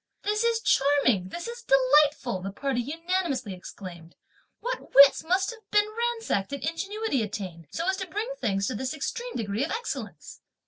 "This is charming! this is delightful!" the party unanimously exclaimed, "what wits must have been ransacked, and ingenuity attained, so as to bring things to this extreme degree of excellence!"